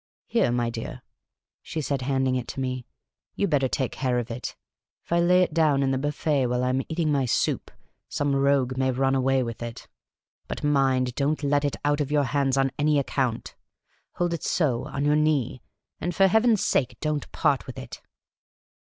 " Here, my dear," she said, handing it to me, " you 'd better take care of it. If I lay it down in the dif//it while I am eating my soup, 26 Miss Cayley's Adventures some rogue may run away with it. But mind, don't let it out of your hands on any account. Hold it so, on your knee ; and, for Heaven's sake, don't part with it."